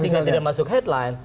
sehingga tidak masuk headline